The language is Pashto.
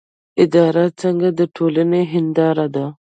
اداره څنګه د ټولنې هنداره ده؟